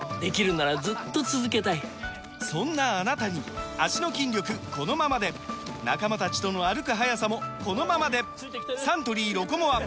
そんなあなたに脚の筋力このままで仲間たちとの歩く速さもこのままでサントリー「ロコモア」！